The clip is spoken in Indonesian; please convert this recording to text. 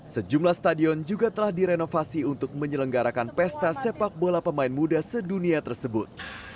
sejumlah stadion juga telah direnovasi untuk menyelenggarakan pesta sepak bola pemain muda sedunia tersebut